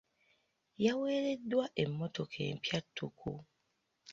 Yaweereddwa emmotoka empya ttuku.